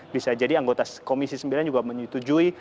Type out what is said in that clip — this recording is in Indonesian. bisa jadi anggota komisi sembilan juga menyetujui